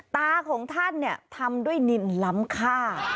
ตาของท่านเนี่ยทำด้วยนินล้ำค่า